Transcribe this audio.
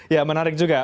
ya menarik juga